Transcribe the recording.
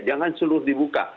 jangan seluruh dibuka